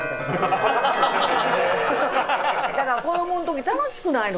だから子どもの時楽しくないの。